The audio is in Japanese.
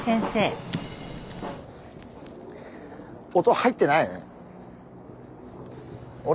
音入ってないね？